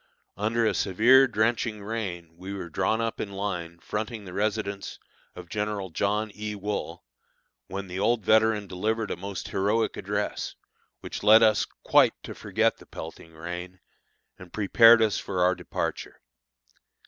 Under a severe, drenching rain we were drawn up in line fronting the residence of General John E. Wool, when the old veteran delivered a most heroic address, which led us quite to forget the pelting rain, and prepared us for our departure.